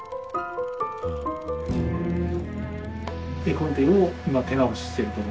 画コンテを今手直ししてると。